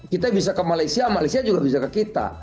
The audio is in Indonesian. kita bisa ke malaysia malaysia juga bisa ke kita